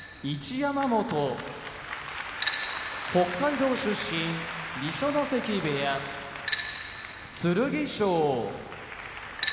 山本北海道出身二所ノ関部屋剣翔東京都出身